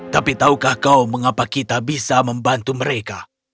tapi tahukah kau mengapa kita bisa membantu mereka